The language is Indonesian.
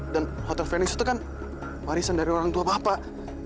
dan hotel venus itu kan warisan dari orang tua bapak